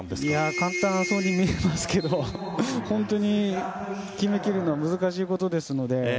簡単そうに見えますけど本当に決めきるのは難しいことですので。